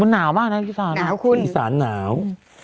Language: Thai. หนาวมากนะอิสานอิสานหนาว